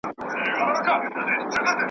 چي کړي ډک د مځکي مخ له مخلوقاتو